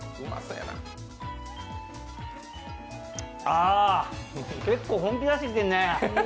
あ、結構本気出してきてんね。